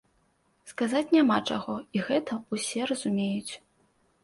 Сказаць няма чаго і гэта ўсе разумеюць.